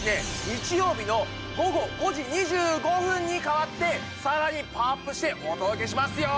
日曜日の午後５時２５分に変わってさらにパワーアップしてお届けしますよ。